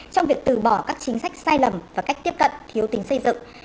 trong việc từ bỏ các chính sách sai lầm và cách tiếp cận thiếu tính xây dựng